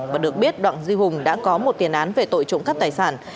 và được biết đặng duy hùng đã có một tiền án về tội trộm cắp tài sản